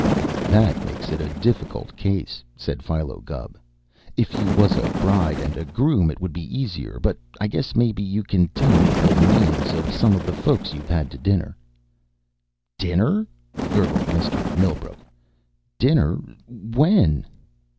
"That makes it a difficult case," said Philo Gubb. "If you was a bride and a groom it would be easier, but I guess maybe you can tell me the names of some of the folks you've had to dinner." "Dinner?" gurgled Mr. Millbrook. "Dinner? When?"